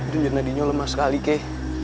dunjirnya dinyolam sekali kay